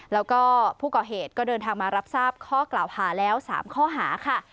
แล้วก็ผู้ก่อเหตุก็เดินทางมารับทราบข้อกล่าวหาแล้ว๓ข้อหาค่ะ